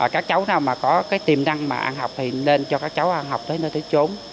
các cháu nào có tiềm năng ăn học thì nên cho các cháu ăn học tới nơi để trốn